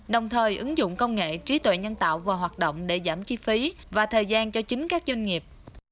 đồng thời ứng dụng công nghệ trí tuệ nhân tạo vào hoạt động để giảm chi phí và thời gian cho chính các doanh nghiệp